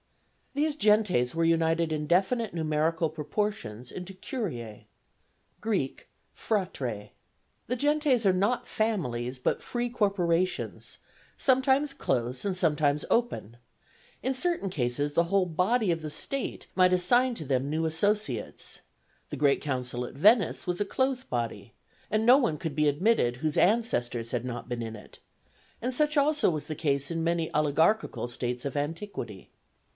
These gentes were united in definite numerical proportions into curiæ [Greek: phratrai]. The gentes are not families, but free corporations, sometimes close and sometimes open; in certain cases the whole body of the state might assign to them new associates; the great council at Venice was a close body, and no one could be admitted whose ancestors had not been in it, and such also was the case in many oligarchical states of antiquity.